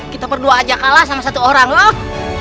kita berdua aja kalah sama satu orang loh